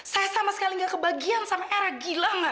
saya sama sekali gak kebagian sama era gila gak